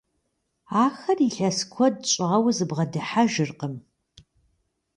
Ахэр илъэс куэд щӏауэ зыбгъэдыхьэжыркъым.